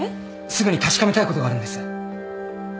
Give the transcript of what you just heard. すぐに確かめたいことがあるんです。